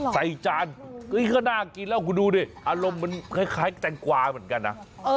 จานก็น่ากินแล้วคุณดูดิอารมณ์มันคล้ายแตงกวาเหมือนกันนะ